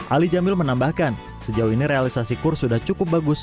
ali jamil menambahkan sejauh ini realisasi kur sudah cukup bagus